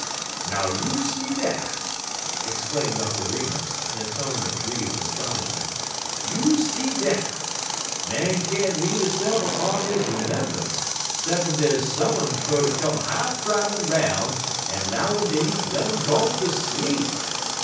"Now you see dat!" exclaimed Uncle Remus, in a tone of grieved astonishment; "you see dat! Man can't lean hisse'f 'pun his 'membunce, 'ceppin' dey's some un fer ter come high primin' 'roun' en 'lowin' dat he done gone ter sleep.